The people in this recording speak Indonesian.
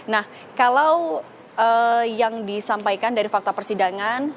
nah kalau yang disampaikan dari fakta persidangan